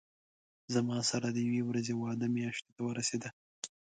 زما سره د یوې ورځې وعده میاشتې ته ورسېده.